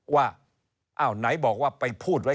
ว่าอ้าวไหนบอกว่าไปพูดไว้